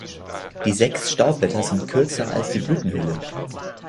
Die sechs Staubblätter sind kürzer als die Blütenhülle.